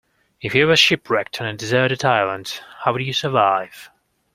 If you were shipwrecked on a deserted island, how would you survive?